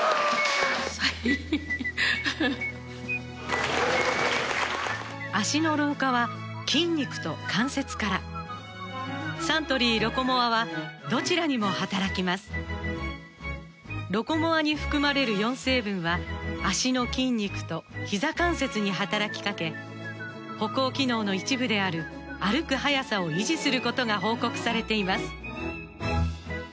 はい・脚の老化は筋肉と関節からサントリー「ロコモア」はどちらにも働きます「ロコモア」に含まれる４成分は脚の筋肉とひざ関節に働きかけ歩行機能の一部である歩く速さを維持することが報告されています